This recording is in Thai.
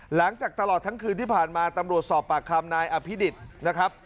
หลังจากตลอดทั้งคืนที่ผ่านมาตำรวจสอบปากคำนายอภิดิษฐ์นะครับ